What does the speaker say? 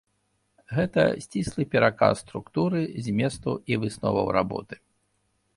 Гэта сціслы пераказ структуры, зместу і высноваў работы.